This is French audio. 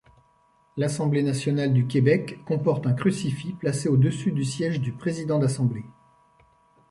L'Assemblée nationale du Québec comporte un crucifix placé au-dessus du siège du président d'assemblée.